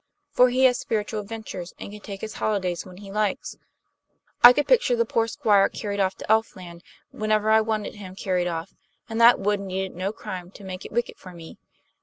For he has spiritual adventures, and can take his holidays when he likes. I could picture the poor Squire carried off to elfland whenever I wanted him carried off, and that wood needed no crime to make it wicked for me.